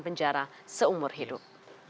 penjara seumur hidup